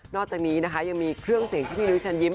นอกจากนี้นะคะยังมีเครื่องเสียงที่นิ้วฉันยิ้ม